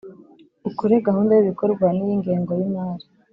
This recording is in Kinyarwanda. Ukore gahunda y’ibikorwa n’iy’ingengo y’imari